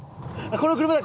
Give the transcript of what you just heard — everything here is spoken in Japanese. この車や。